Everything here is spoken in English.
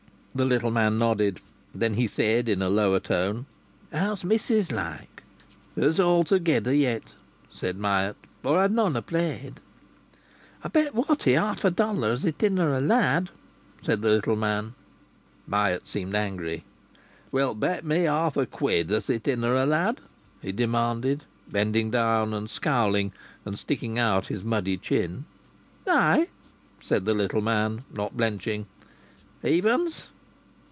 The little man nodded. Then he said in a lower tone: "How's missis, like?" "Her's altogether yet," said Myatt. "Or I'd none ha' played!" "I've bet Watty half a dollar as it inna' a lad!" said the little man. Myatt seemed angry. "Wilt bet me half a quid as it inna' a lad?" he demanded, bending down and scowling and sticking out his muddy chin. "Ay!" said the little man, not blenching. "Evens?"